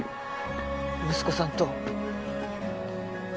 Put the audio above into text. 息子さんと